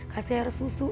kasih air susu